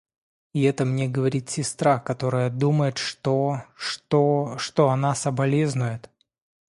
И это мне говорит сестра, которая думает, что... что... что она соболезнует!..